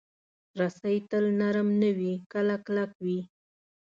رسۍ تل نرم نه وي، کله سخت وي.